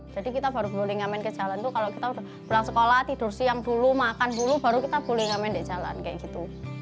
jadi kita baru boleh ngamen ke jalan itu kalau kita udah pulang sekolah tidur siang dulu makan dulu baru kita boleh ngamen di jalan kayak gitu